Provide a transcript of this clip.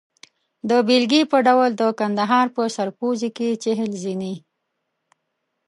د بېلګې په ډول د کندهار په سرپوزي کې چهل زینې.